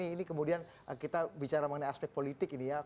ini kemudian kita bicara mengenai aspek politik ini ya